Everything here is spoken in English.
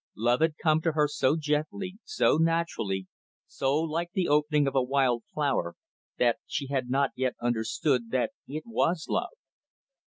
Love had come to her so gently, so naturally, so like the opening of a wild flower, that she had not yet understood that it was love.